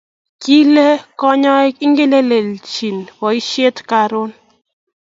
Kale kanyaik ingelelechin poishet karun .